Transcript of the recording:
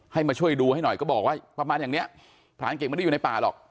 มาช่วยดูให้หน่อยก็บอกว่าประมาณอย่างเนี้ยพรานเก่งไม่ได้อยู่ในป่าหรอก